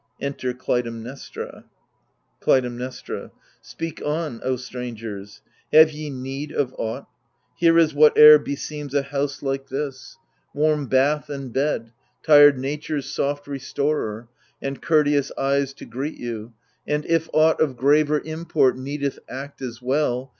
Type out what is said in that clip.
[Enter Cfytemnestra, Clytemnestra Speak on, O strangers : have ye need of aught ? Here is whatever beseems a house like this — THE LIBATION BEARERS 113 Warm bath and bed, tired Nature's soft restorer, And courteous eyes to greet you ; and if aught Of graver import needeth act as well.